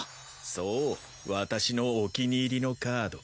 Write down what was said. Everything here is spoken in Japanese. そう私のお気に入りのカード。